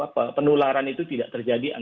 bagaimana penularan itu tidak bisa dijalankan